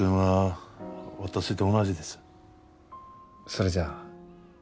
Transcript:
それじゃあ。